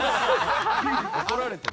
怒られてる。